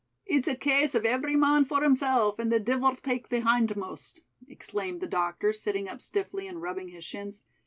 "It's a case of every mon for himself and the divvel tak' the hindmost," exclaimed the doctor, sitting up stiffly and rubbing his shins.